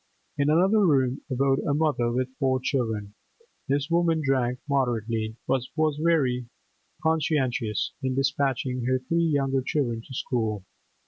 In another room abode a mother with four children. This woman drank moderately, but was very conscientious in despatching her three younger children to school.